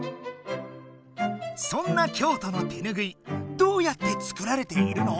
そんな京都の手ぬぐいどうやって作られているの？